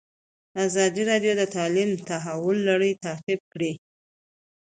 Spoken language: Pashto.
ازادي راډیو د تعلیم د تحول لړۍ تعقیب کړې.